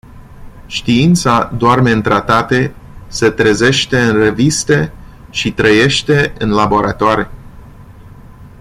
Știința doarme în tratate, se trezește în reviste și trăiește în laboratoare.